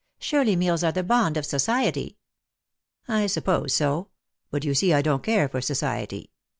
Surely meals are the bond of society." " I suppose so ; but you see I don't care for society.